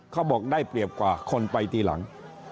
เขาบอกได้เปรียบกว่าคนไปทีหลัง